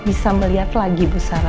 bisa melihat lagi bu sara